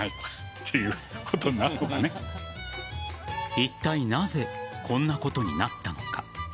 いったいなぜこんなことになったのか。